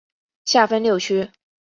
下分六区。